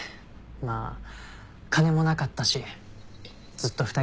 まあ金もなかったしずっと２人だったし。